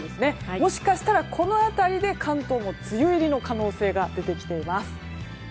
もしかしたら金曜、土曜辺りで関東も梅雨入りの可能性が出てきています。